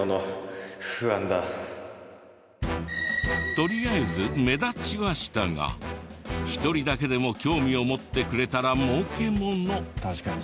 とりあえず目立ちはしたが１人だけでも興味を持ってくれたらもうけもの。